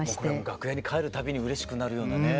楽屋に帰る度にうれしくなるようなね。